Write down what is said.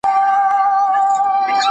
پیسې د ډیرو خلګو خدای ګرځیدلی دی.